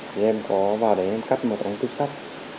thì em có vào đấy em cắt một ống cúp sắt